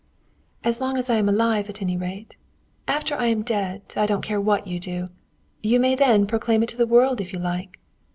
"As long as I am alive, at any rate. After I am dead, I don't care what you do. You may then proclaim it to the world if you like.